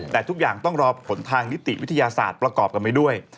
แต่ทุกอย่างต้องรอผลทางนิติวิทยาศาสตร์ประกอบกันไปด้วย